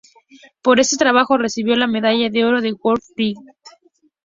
Por este trabajo, recibió la medalla de oro de World Wildlife Fund.